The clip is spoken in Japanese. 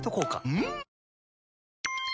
うん！